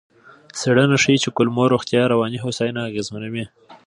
څېړنه ښيي چې کولمو روغتیا رواني هوساینه اغېزمنوي.